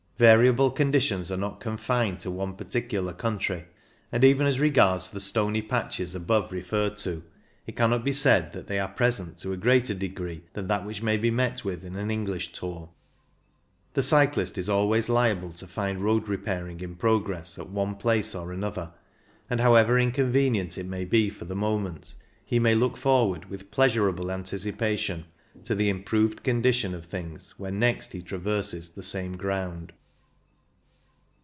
Variable conditions are not confined to one 200 CYCLING IN THE ALPS particular country, and even as regards the stony patches above referred to, it cannot be said that they are present to a greater degree than that which may be met with in an English tour. The cyclist is always liable to find road repairing in progress at one place or another, and however incon venient it may be for the moment, he may look forward with pleasurable anticipation to the improved condition of things when next he traverses the same ground.